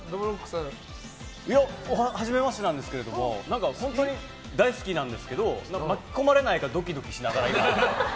はじめましてなんですけど本当に大好きなんですけど巻き込まれないかドキドキしながら、今。